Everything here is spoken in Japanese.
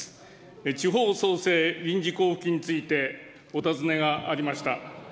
地方創生臨時交付金について、お尋ねがありました。